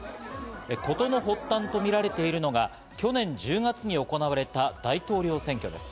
事の発端と見られているのが去年１０月に行われた大統領選挙です。